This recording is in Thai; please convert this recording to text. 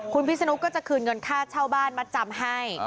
คุณพิศนุก็จะคืนเงินค่าเช่าบ้านมัดจำให้